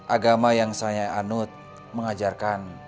agama yang saya anut mengajarkan